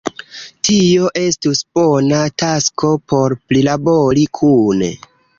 tio estus bona tasko por prilabori kune.